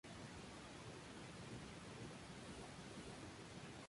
Se han realizado dos versiones para la gran pantalla.